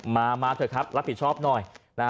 มาเถอะครับรับผิดชอบหน่อย